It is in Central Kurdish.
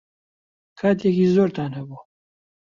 کاتێکی زۆرتان هەبوو.